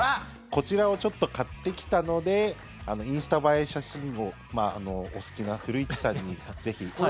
こちらをちょっと買ってきたのでインスタ映え写真をお好きな古市さんに、ぜひ。